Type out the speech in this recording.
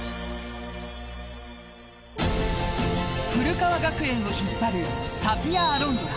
古川学園を引っ張るタピア・アロンドラ。